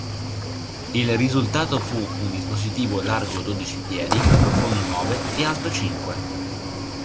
Il risultato fu un dispositivo largo dodici piedi, profondo nove e alto cinque.